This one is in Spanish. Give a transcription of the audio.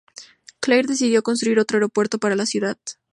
Clair decidió construir otro aeropuerto para la ciudad.